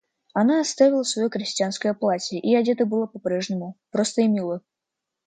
Она оставила свое крестьянское платье и одета была по-прежнему просто и мило.